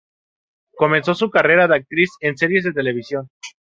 Comenzó su carrera de actriz en series de televisión.